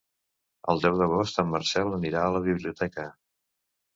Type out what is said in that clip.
El deu d'agost en Marcel anirà a la biblioteca.